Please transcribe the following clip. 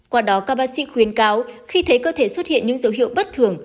qua đó các bác sĩ khuyến cáo khi thấy cơ thể xuất hiện những dấu hiệu bất thường